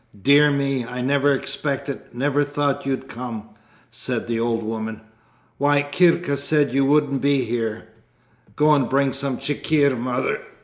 "Dear me! I never expected, never thought, you'd come," said the old woman. "Why, Kirka said you wouldn't be here." "Go and bring some chikhir, Mother.